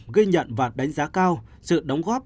ghi nhận và đánh giá cao sự đóng góp